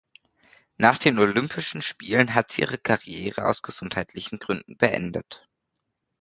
Nach den Olympischen Spielen hat sie ihre Karriere aus gesundheitlichen Gründen beendet.